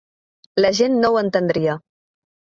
La gent no ho entendria.